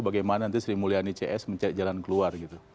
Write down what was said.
bagaimana nanti sri mulyani cs mencari jalan keluar gitu